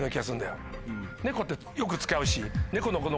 「猫」ってよく使うし。